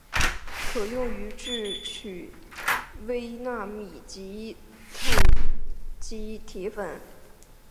可用于制取微纳米级羰基铁粉。